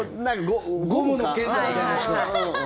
ゴムの剣山みたいなやつで。